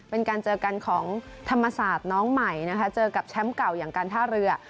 เป็นการเจอกันของธรรมศาสตร์น้องใหม่นะคะเจอกับแชมป์เก่าอย่างการท่าเรือ